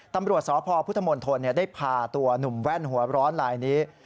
ตำรวจสพพุทธมนตรได้พาตัวหนุ่มแว่นหัวร้อนลายนี้